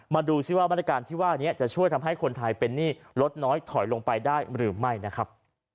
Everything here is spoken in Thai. มาดูซิว่ามาตรการที่ว่านี้จะช่วยทำให้คนไทยเป็นหนี้ลดน้อยถอยลงไปได้หรือไม่นะครับ